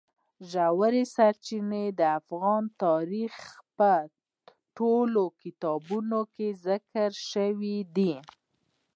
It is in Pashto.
ژورې سرچینې د افغان تاریخ په ټولو کتابونو کې ذکر شوي دي.